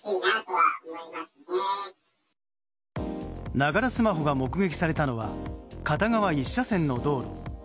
ながらスマホが目撃されたのは片側１車線の道路。